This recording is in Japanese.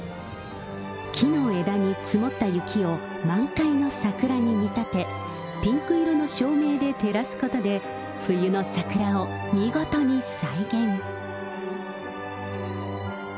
木の枝に積もった雪を満開の桜に見立て、ピンク色の照明で照らすことで、冬の桜を見事に再現。